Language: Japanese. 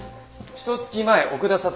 ひと月前奥田彩